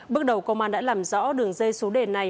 bước đầu công an đã làm rõ đường dây số đề này